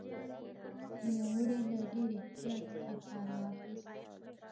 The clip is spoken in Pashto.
نوموړي له ډېر احتیاط څخه کار اخیست.